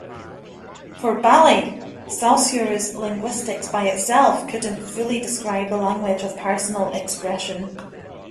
For Bally, Saussure's linguistics by itself couldn't fully describe the language of personal expression.